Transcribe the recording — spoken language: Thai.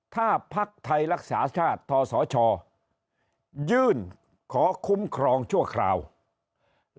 ถ้าพักไทยรักษาชาติทศชยื่นขอคุ้มครองชั่วคราว